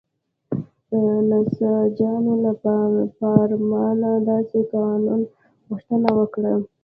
نساجانو له پارلمانه داسې قانون غوښتنه وکړه.